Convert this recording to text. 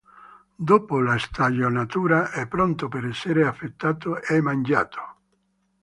Dopo la stagionatura è pronto per essere affettato e mangiato.